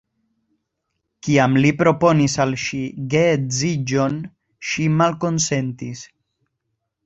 Kiam li proponis al ŝi geedziĝon, ŝi malkonsentis.